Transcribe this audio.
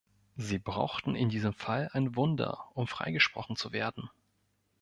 Sie brauchten in diesem Fall ein „Wunder“, um freigesprochen zu werden.